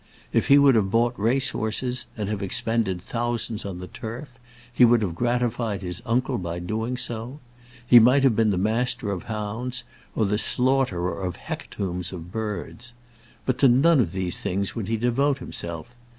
If he would have bought race horses, and have expended thousands on the turf, he would have gratified his uncle by doing so. He might have been the master of hounds, or the slaughterer of hecatombs of birds. But to none of these things would he devote himself.